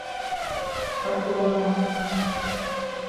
ভাগ্যবান আমরা।